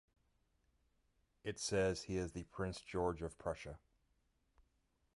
It says he is Prince George of Prussia.